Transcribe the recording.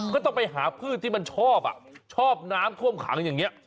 ก็ต้องไปหาพืชที่มันชอบชอบน้ำท่วมขังอย่างนี้